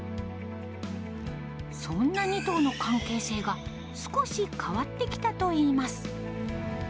そんな２頭の関係性が、少し変わってきたといいます。